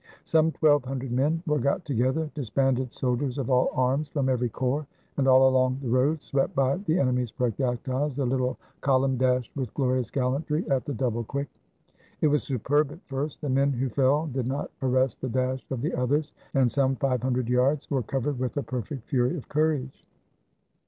Some twelve hundred men were got together, dis banded soldiers of all arms, from every corps; and along the road, swept by the enemy's projectiles, the Httle col umn dashed with glorious gallantry, at the double quick. It was superb at first; the men who fell did not arrest the dash of the others, and some five hundred yards were covered with a perfect fury of courage.